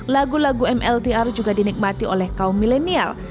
lagu lagu mltr juga dinikmati oleh kaum milenial